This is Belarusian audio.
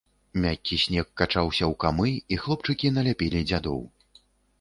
Мяккі снег качаўся ў камы, і хлопчыкі наляпілі дзядоў.